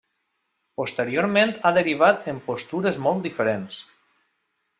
Posteriorment ha derivat en postures molt diferents.